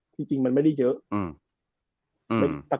จริงมันไม่ได้เยอะ